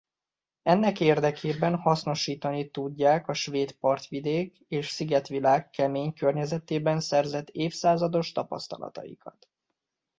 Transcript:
Ennek érdekében hasznosítani tudják a svéd partvidék és szigetvilág kemény környezetében szerzett évszázados tapasztalataikat.